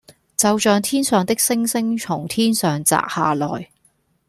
就像天上的星星從天上擲下來